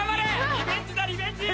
リベンジだリベンジ！